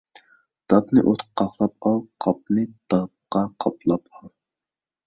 داپنى ئوتقا قاقلاپ ئال، قاپنى داپقا قاپلاپ ئال.